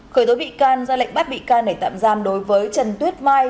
khởi tố bị can ra lệnh bắt bị can để tạm giam đối với trần tuyết mai